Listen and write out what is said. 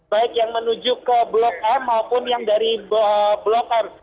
baik yang menuju ke blok m maupun yang dari blok m